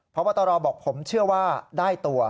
พบตรบอกผมเชื่อว่าได้ตัว